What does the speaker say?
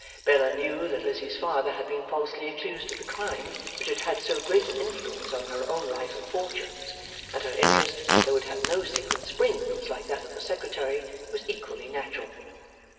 Bella knew that Lizzie's father had been falsely accused of the crime which had had so great an influence on her own life and fortunes; and her interest, though it had no secret springs, like that of the Secretary, was equally natural.